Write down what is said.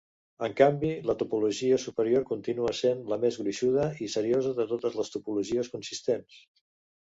En canvi, la topologia superior continua sent la més gruixuda i seriosa de totes les topologies consistents.